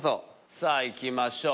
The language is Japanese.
さぁいきましょう。